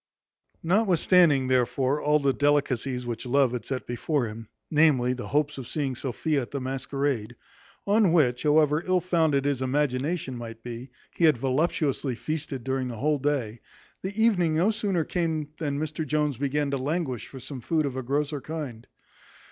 Notwithstanding, therefore, all the delicacies which love had set before him, namely, the hopes of seeing Sophia at the masquerade; on which, however ill founded his imagination might be, he had voluptuously feasted during the whole day, the evening no sooner came than Mr Jones began to languish for some food of a grosser kind.